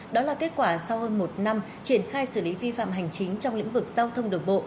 đó là kết quả sau hơn một năm triển khai xử lý vi phạm hành chính trong lĩnh vực giao thông đường bộ